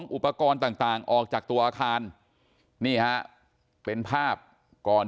มาช่วยกันขนย้ายข้าวของอุปกรณ์ต่างออกจากตัวอาคารเป็นภาพก่อน